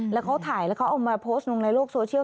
แล้วเขาถ่ายแล้วเขาเอามาโพสต์ลงในโลกโซเชียล